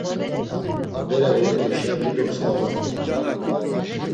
Bere vort̆işa dido mskva vort̆i.